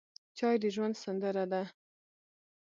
چای د ژوند سندره ده.